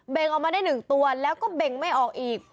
ออกมาได้๑ตัวแล้วก็เบ่งไม่ออกอีก